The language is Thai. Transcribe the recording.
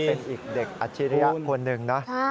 เป็นอีกเด็กอาชิริยะคนหนึ่งนะ